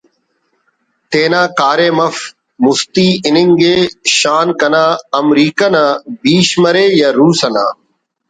تینا کاریم اف مُستی ہِننگ ءِ شان کنا امریکہ نا بیش مرے یا روس انا